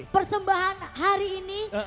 persembahan hari ini